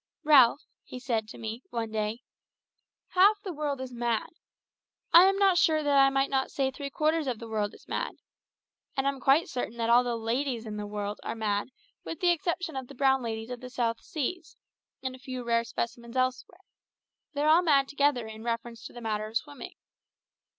"Ralph," he said to me one day, "half the world is mad I am not sure that I might not say three quarters of the world is mad and I'm quite certain that all the ladies in the world are mad with the exception of the brown ladies of the South Seas, and a few rare specimens elsewhere; they're all mad together in reference to the matter of swimming.